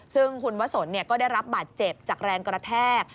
ซึ่งคุณวะสนก็ได้รับบาดเจ็บจากแรงกระแทก